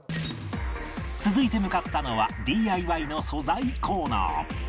続いて向かったのは ＤＩＹ の素材コーナー